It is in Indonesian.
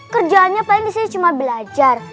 kerjaannya paling disini cuma belajar